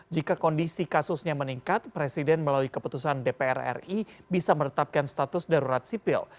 jika kondisi kasusnya meningkat presiden melalui keputusan dpr ri bisa meretapkan status darurat sipil